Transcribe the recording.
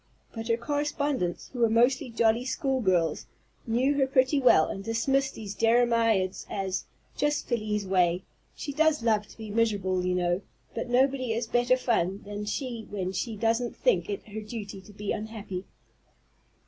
But her correspondents, who were mostly jolly school girls, knew her pretty well, and dismissed these jeremiads as, "Just Felie's way. She does love to be miserable, you know, but nobody is better fun than she when she doesn't think it her duty to be unhappy."